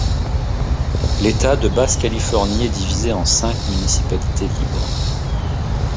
L'État de Basse-Californie est divisé en cinq municipalités libres.